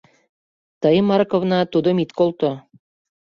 — Тый, Марковна, тудым ит колто.